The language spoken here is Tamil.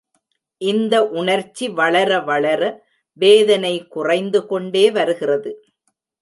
இந்த உணர்ச்சி வளர வளர, வேதனை குறைந்து கொண்டே வருகிறது.